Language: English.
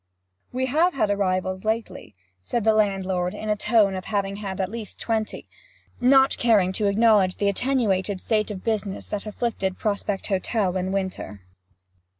'We have had arrivals lately,' said the landlord, in the tone of having had twenty at least not caring to acknowledge the attenuated state of business that afflicted Prospect Hotel in winter.